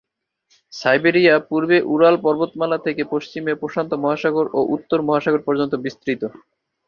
Siberia পূর্বে Ural পর্বতমালা থেকে পশ্চিমে প্রশান্ত মহাসাগর ও উত্তর মহাসাগর পর্যন্ত বিস্তৃত।